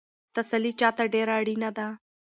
تسلي چا ته ډېره اړینه ده؟